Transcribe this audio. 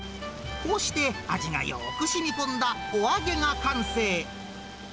こうして味がよーくしみこんだ、お揚げが完成。